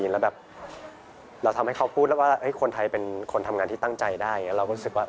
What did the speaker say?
เราก็รู้สึกภูมิใจว่า